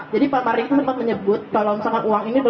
jadi pak mardik sempat menyebut kalau misalkan uang ini